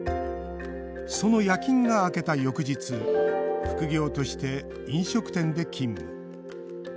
その夜勤が明けた翌日副業として飲食店で勤務。